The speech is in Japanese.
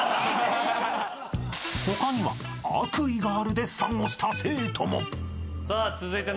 ［他には悪意があるデッサンをした生徒も］さあ続いて。